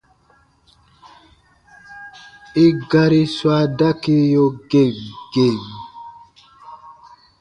I gari swa dakiyo gem gem.